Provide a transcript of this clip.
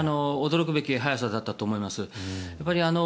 驚くべき早さだったと思います。